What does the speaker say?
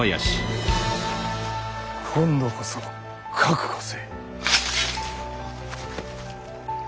今度こそ覚悟せい。